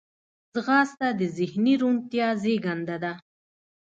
ځغاسته د ذهني روڼتیا زیږنده ده